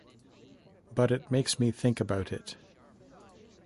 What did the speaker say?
But it makes me think about it.